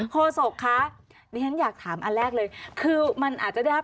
โศกคะดิฉันอยากถามอันแรกเลยคือมันอาจจะได้รับ